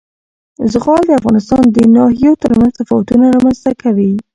زغال د افغانستان د ناحیو ترمنځ تفاوتونه رامنځ ته کوي.